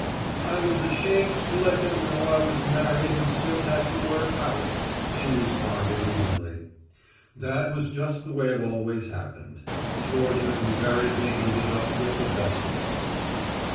"I was ashamed to let them know I was married and still had to work out," she responded evenly. That was just the way it always happened. Georgia invariably ended up with the best of it.